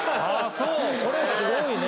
それすごいね。